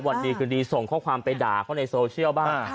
วันดีคืนดีส่งข้อความไปด่าเขาในโซเชียลบ้าง